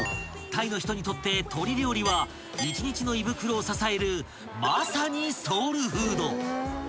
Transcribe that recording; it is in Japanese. タイの人にとって鶏料理は一日の胃袋を支えるまさにソウルフード］